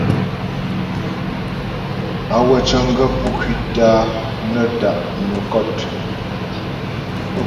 Á wə cə̀ŋ gaə̂ pú ŋkwítə a nə tá' nwə́ kɔ̂t.